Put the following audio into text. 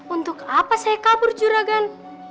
untuk apa saya kabur curagan